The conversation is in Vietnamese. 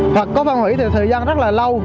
hoặc có phân hủy thì thời gian rất là lâu